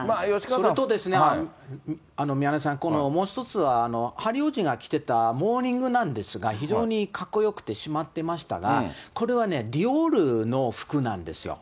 それとですね、宮根さん、もう１つはハリー王子が着てたモーニングなんですが、非常にかっこよくてきまってましたが、これはディオールの服なんですよ。